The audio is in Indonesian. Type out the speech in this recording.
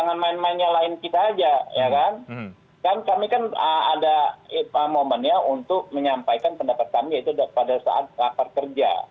kami kan ada momennya untuk menyampaikan pendapat kami yaitu pada saat rapat kerja